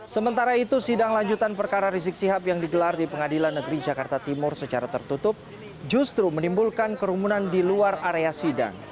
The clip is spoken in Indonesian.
sementara itu sidang lanjutan perkara rizik sihab yang digelar di pengadilan negeri jakarta timur secara tertutup justru menimbulkan kerumunan di luar area sidang